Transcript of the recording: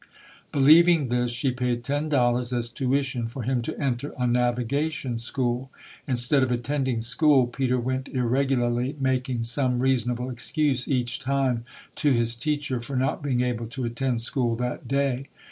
Believing this, she paid ten dollars as tuition for him to enter a navigation school. Instead of at tending school, Peter went irregularly, making some reasonable excuse each time to his teacher for not being able to attend school that day.